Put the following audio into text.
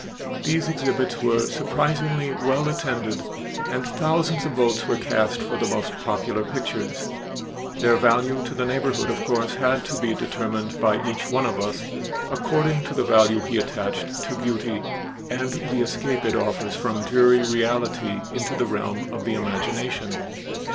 These exhibits were surprisingly well attended and thousands of votes were cast for the most popular pictures. Their value to the neighborhood of course had to be determined by each one of us according to the value he attached to beauty and the escape it offers from dreary reality into the realm of the imagination.